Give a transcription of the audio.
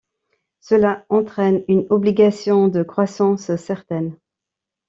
Cela entraîne une obligation de croissance certaine.